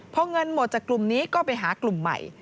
พอเงินหมดจากกลุ่มนี้ก็ไปหากลุ่มใหม่